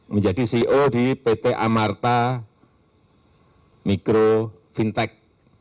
menjadi ceo di pt amarta mikro fintech